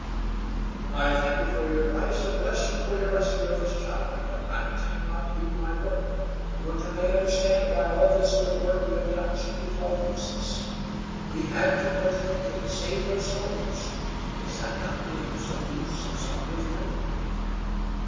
"I thank you for your advice, and bless you for your rescue of this child; but I can not leave my work, nor can I understand why all this good work we have done should be called useless. We have converted Indians, saved their souls. Is that not being of some use, of some good here?"